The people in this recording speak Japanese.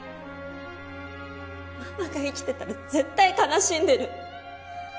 ママが生きてたら絶対悲しんでる。